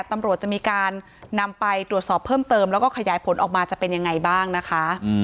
ตำรวจจะมีการนำไปตรวจสอบเพิ่มเติมแล้วก็ขยายผลออกมาจะเป็นยังไงบ้างนะคะ